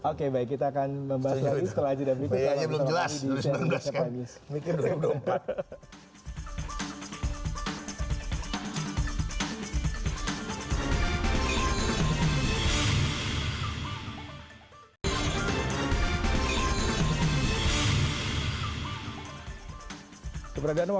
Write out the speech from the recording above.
oke baik kita akan membahas lagi setelah jdw